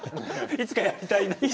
いつかやりたいと？